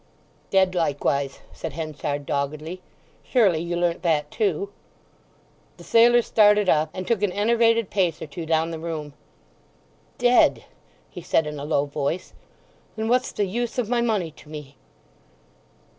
"Dead likewise," said Henchard doggedly. "Surely you learnt that too?" The sailor started up, and took an enervated pace or two down the room. "Dead!" he said, in a low voice. "Then what's the use of my money to me?"